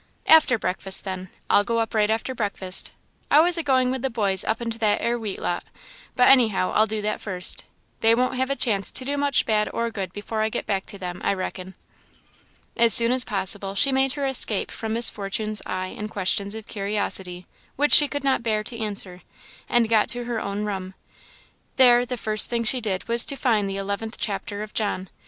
"After breakfast, then; I'll go up right after breakfast. I was a going with the boys up into that 'ere wheat lot, but anyhow I'll do that first. They won't have a chance to do much bad or good before I get back to them, I reckon." As soon as possible, she made her escape from Miss Fortune's eye and questions of curiosity, which she could not bear to answer, and got to her own room. There, the first thing she did was to find the eleventh chapter of John.